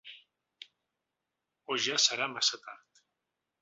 O ja serà massa tard.